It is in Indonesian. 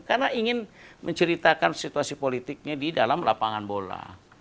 karena ingin menceritakan situasi politiknya di dalam lapangan bola